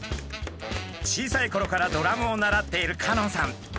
小さいころからドラムを習っている香音さん。